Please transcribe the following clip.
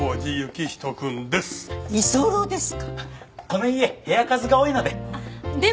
この家部屋数が多いので。